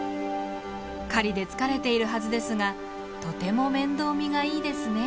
狩りで疲れているはずですがとても面倒見がいいですね。